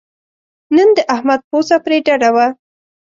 نن د احمد پوزه پرې ډډه وه.